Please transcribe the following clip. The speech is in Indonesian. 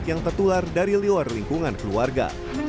yang tertular dari luar lingkungan keluarga